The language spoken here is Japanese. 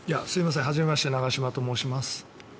すいません、初めまして長嶋と申します。